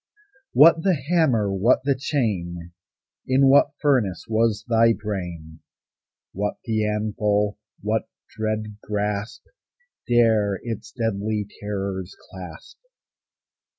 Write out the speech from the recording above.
What the hammer? what the chain? In what furnace was thy brain? What the anvil? what dread grasp Dare its deadly terrors clasp?